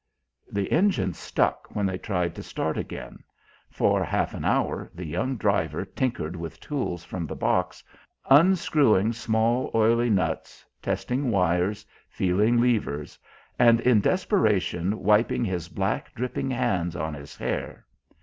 The engine stuck when they tried to start again; for half an hour the young driver tinkered with tools from the box, unscrewing small oily "nuts," testing "wires," feeling "levers," and in desperation wiping his black, dripping hands on his hair.